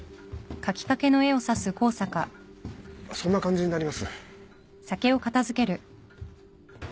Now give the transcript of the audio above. そんな感じになります。